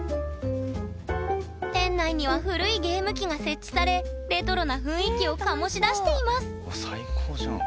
店内には古いゲーム機が設置されレトロな雰囲気を醸し出しています最高じゃん。